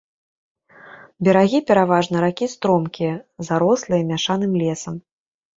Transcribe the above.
Берагі пераважна ракі стромкія, зарослыя мяшаным лесам.